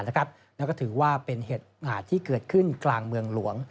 แล้วก็ถือว่าเป็นเหตุอาจที่เกิดขึ้นกลางเมืองหลวง